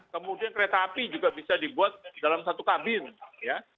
kemudian kereta api juga bisa dibuat dalam satu kabin ya